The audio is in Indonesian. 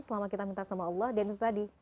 selama kita minta sama allah dan itu tadi